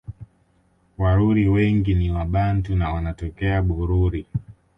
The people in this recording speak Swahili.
Waruri wengi ni Wabantu na wanatokea Bururi